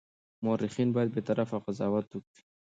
مورخین باید بېطرفه قضاوت وکړي.